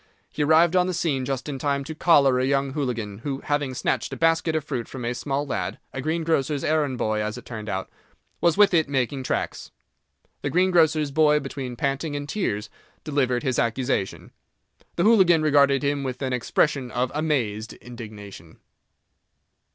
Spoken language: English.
He arrived on the scene just in time to collar a young hooligan, who, having snatched a basket of fruit from a small lad—a greengrocer's errand boy, as it turned out—was, with it, making tracks. The greengrocer's boy, between panting and tears, delivered his accusation. The hooligan regarded him with an expression of amazed indignation.